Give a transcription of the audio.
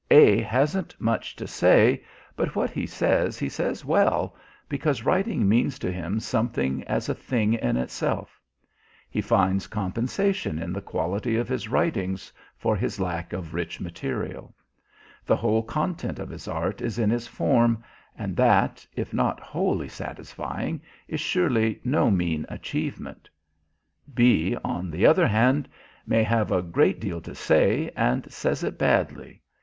A hasn't much to say, but what he says he says well, because writing means to him something as a thing in itself; he finds compensation in the quality of his writings for his lack of rich material; the whole content of his art is in his form, and that, if not wholly satisfying, is surely no mean achievement. B, on the other hand, may have a great deal to say, and says it badly.